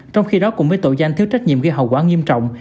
trong khi đó cùng với tội danh thiếu trách nhiệm gây hậu quả nghiêm trọng